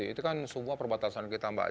itu kan semua perbatasan kita mbak